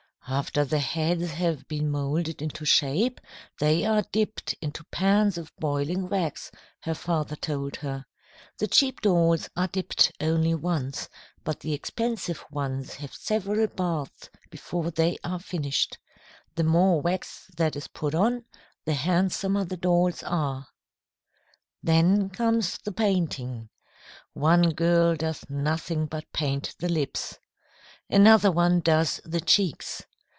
"After the heads have been moulded into shape, they are dipped into pans of boiling wax," her father told her. "The cheap dolls are dipped only once, but the expensive ones have several baths before they are finished. The more wax that is put on, the handsomer the dolls are. "Then comes the painting. One girl does nothing but paint the lips. Another one does the cheeks.